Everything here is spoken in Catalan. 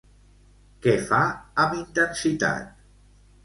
Què fa amb intensitat?